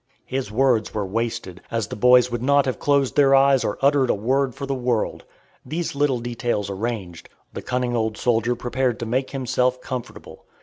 His words were wasted, as the boys would not have closed their eyes or uttered a word for the world. These little details arranged, the cunning old soldier prepared to make himself comfortable.